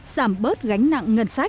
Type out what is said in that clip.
giảm bớt gánh nặng